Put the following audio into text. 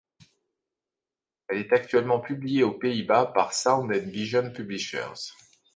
Elle est actuellement publiée aux Pays-Bas par Sound & Vision Publishers.